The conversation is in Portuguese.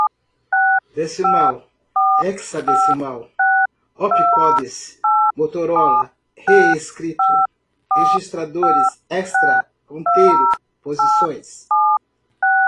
decimal, hexadecimal, opcodes, motorola, reescrito, registradores, extra, ponteiro, posições